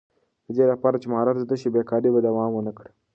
د دې لپاره چې مهارت زده شي، بېکاري به دوام ونه کړي.